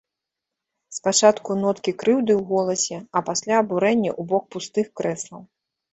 Спачатку ноткі крыўды ў голасе, а пасля абурэнне ў бок пустых крэслаў.